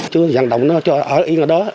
chưa dành động nó cho ở yên ở đó